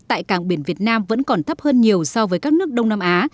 tại càng biển việt nam vẫn còn thấp hơn nhiều so với các nước đông nam á